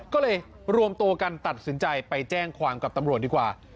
ก็เลยรวมตัวกันตัดสินใจไปแจ้งความกับตำรวจดีกว่า